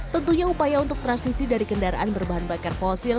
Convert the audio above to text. tentunya upaya untuk transisi dari kendaraan berbahan bakar fosil